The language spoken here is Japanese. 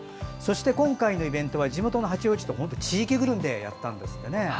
今回のイベントは地元の八王子と地域ぐるみでやったんですってね。